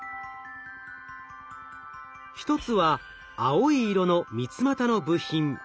１つは青い色の三つまたの部品。